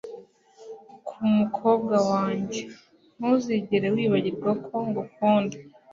ku mukobwa wanjye. ntuzigere wibagirwa ko ngukunda